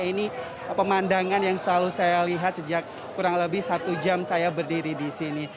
ini pemandangan yang selalu saya lihat sejak kurang lebih satu jam saya berdiri di sini